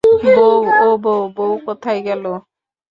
বউ, ও বউ, বউ কোথায় গেল।